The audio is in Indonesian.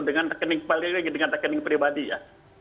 dengan rekening pribadi ya